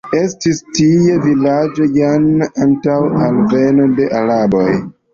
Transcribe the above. Estis tie vilaĝo jan antaŭ alveno de araboj.